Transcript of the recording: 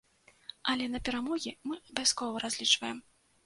Але на перамогі мы абавязкова разлічваем!